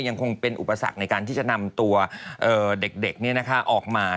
ยังคงเป็นอุปสรรคในการที่จะนำตัวเด็กออกมา